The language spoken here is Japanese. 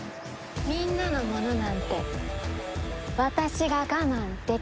みんなのものなんて私が我慢できると思う？